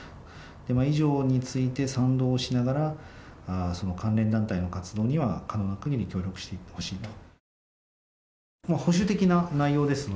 以上について、賛同しながら関連団体の活動には可能な限り協力してほしいと。